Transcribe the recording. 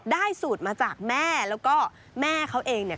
สูตรมาจากแม่แล้วก็แม่เขาเองเนี่ย